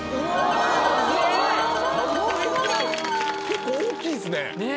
結構大きいんすね